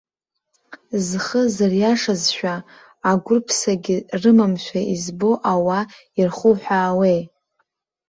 Зхы зыриашазшәа, агәырԥсагьы рымамшәа избо ауаа ирхыуҳәаауеи!